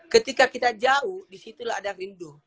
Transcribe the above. ketika kita jauh disitulah ada rindu